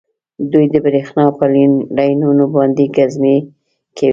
دوی د بریښنا په لینونو باندې ګزمې کوي